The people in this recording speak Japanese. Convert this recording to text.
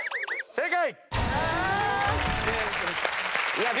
正解。